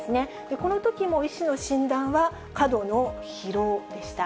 このときも医師の診断は、過度の疲労でした。